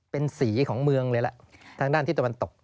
เป็นสีของเมืองเลยแหละทางด้านที่ตะวันตก